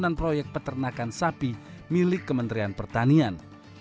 pembangunan proyek peternakan sapi milik kementerian pertanian